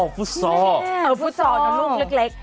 เออฟุตซอลน้องลูกเล็ก